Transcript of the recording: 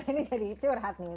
ini jadi curhat nih